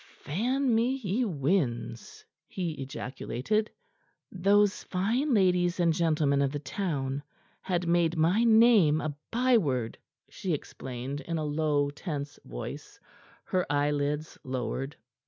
"Fan me, ye winds!" he ejaculated. "Those fine ladies and gentlemen of the town had made my name a by word," she explained in a low, tense voice, her eyelids lowered.